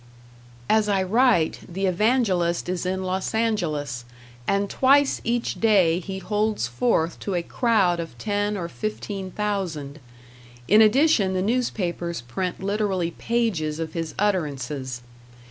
As I write, the evangelist is in Los Angeles, and twice each day he holds forth to a crowd of ten or fifteen thousand; in addition the newspapers print literally pages of his utterances.